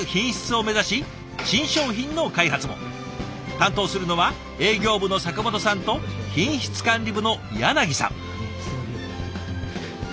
担当するのは営業部の阪本さんと品質管理部のさん。